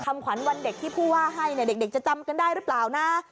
ขวัญวันเด็กที่ผู้ว่าให้เนี่ยเด็กจะจำกันได้หรือเปล่านะ